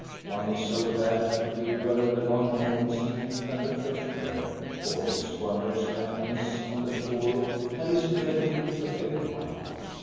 One is so glad to forgive her the long morning sleep and the fresh bread, for she squanders kindness on the poor and is friendly to every one.